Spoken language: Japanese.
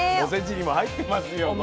おせちにも入ってますよ